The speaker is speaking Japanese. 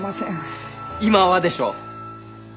「今は」でしょ？